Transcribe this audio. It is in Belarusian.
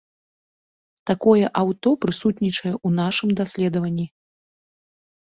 Такое аўто прысутнічае ў нашым даследаванні.